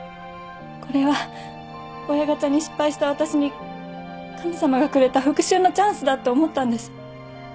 これは親ガチャに失敗した私に神様がくれた復讐のチャンスだって思ったんです。